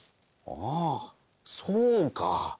あそうか。